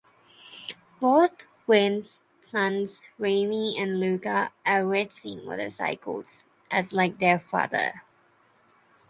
Both Wayne's sons, Remy and Luca, are racing motorcycles as like their father.